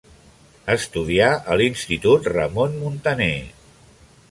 Estudià a l'Institut Ramon Muntaner.